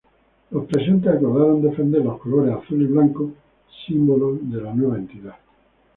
Los presentes acordaron defender los colores Azul y Blanco, símbolos de la nueva entidad.